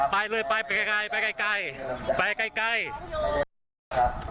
ไปเลยไปไปไกลไกลไปไกลไกล